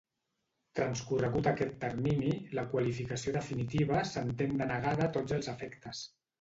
Transcorregut aquest termini la qualificació definitiva s'entén denegada a tots els efectes.